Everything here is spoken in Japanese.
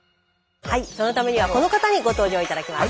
そのためにはこの方にご登場頂きます。